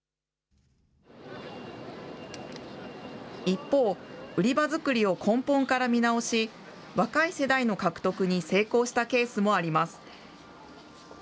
一方、売り場作りを根本から見直し、若い世代の獲得に成功したケースもあります。